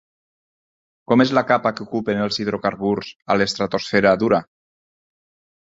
Com és la capa que ocupen els hidrocarburs a l'estratosfera d'Urà?